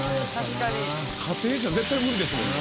家庭じゃ絶対無理ですもんね。